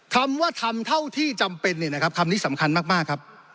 คำว่าทำเท่าที่จำเป็นคำนี้สำคัญมากครับ